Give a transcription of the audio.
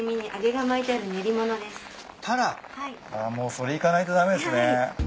あもうそれいかないと駄目ですね。